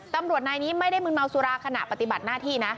ตำรวจนายนี้ไม่ได้มึนเมาสุราขณะปฏิบัติหน้าที่นะ